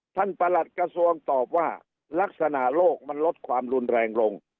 ประหลัดกระทรวงตอบว่าลักษณะโลกมันลดความรุนแรงลง